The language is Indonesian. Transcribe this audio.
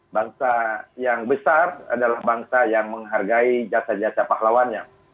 bangsa yang besar adalah bangsa yang menghargai jasa jasa pahlawannya